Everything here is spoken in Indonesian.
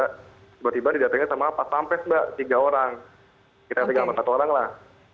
tiba tiba didatangin sama apa sampai mbak tiga orang kita tiga sama satu orang lah